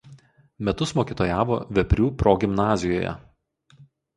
Metus mokytojavo Veprių progimnazijoje.